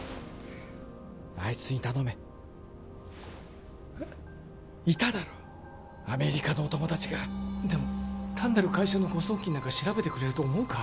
あいつに頼めえっいただろアメリカのお友達がでも単なる会社の誤送金なんか調べてくれると思うか？